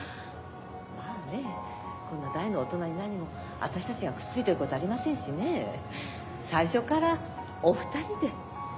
まあねこんな大の大人になにも私たちがくっついてることありませんしね最初からお二人で。